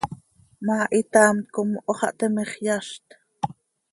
ma, hitaamt com hoo xah teme x, yazt.